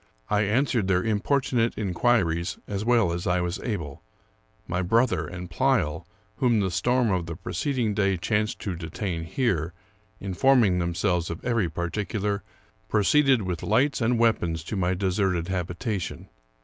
I answered their importunate inquiries as well as I was able. My brother and Pleyel, whom the storm of the preceding day chanced to detain here, informing themselves of every particular, proceeded with lights and weapons to my deserted habi tation.